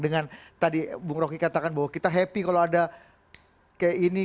dengan tadi bung roky katakan bahwa kita happy kalau ada kayak ini